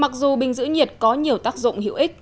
mặc dù bình giữ nhiệt có nhiều tác dụng hữu ích